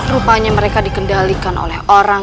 rupanya mereka dikendalikan oleh orang